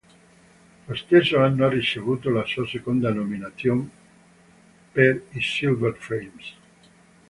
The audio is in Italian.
Lo stesso anno ha ricevuto la sua seconda nomination per i Silver Frames.